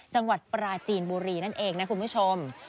จังหวัดปราจีนบุรีนั่นเองนะคุณผู้ชม